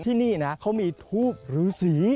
ที่นี่นะเขามีทูปฤษี